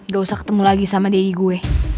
gak usah ketemu lagi sama denny gue